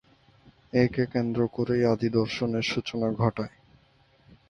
একে কেন্দ্র করেই আদি দর্শনের সূচনা ঘটায়।